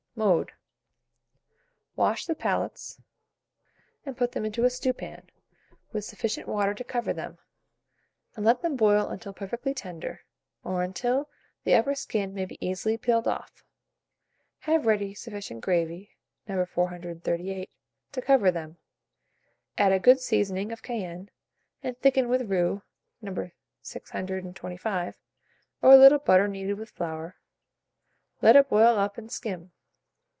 Mode. Wash the palates, and put them into a stewpan, with sufficient water to cover them, and let them boil until perfectly tender, or until the upper skin may be easily peeled off. Have ready sufficient gravy (No. 438) to cover them; add a good seasoning of cayenne, and thicken with roux, No. 625, or a little butter kneaded with flour; let it boil up, and skim.